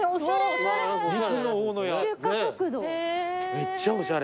めっちゃおしゃれ。